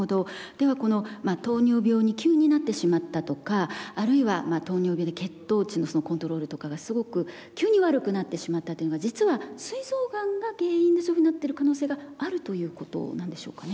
ではこの糖尿病に急になってしまったとかあるいは糖尿病で血糖値のコントロールとかがすごく急に悪くなってしまったというのが実はすい臓がんが原因でそういうふうになってる可能性があるということなんでしょうかね？